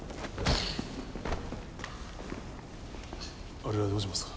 あれはどうしますか？